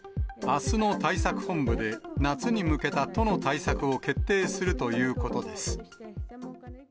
あすの対策本部で、夏に向けた都の対策を決定するということです。